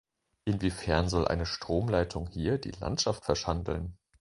Inwiefern soll eine Stromleitung hier die Landschaft verschandeln?